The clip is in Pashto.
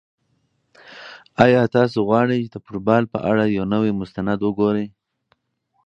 آیا تاسو غواړئ چې د فوټبال په اړه یو نوی مستند وګورئ؟